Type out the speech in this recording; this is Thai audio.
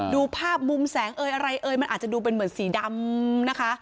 ดูภาพมุมแสงมันอาจจะดูเหมือนสีดำนะคะ